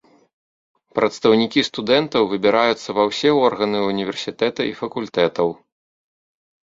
Прадстаўнікі студэнтаў выбіраюцца ва ўсе органы універсітэта і факультэтаў.